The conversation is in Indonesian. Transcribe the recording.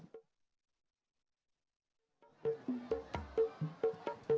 garo sumpah janjimu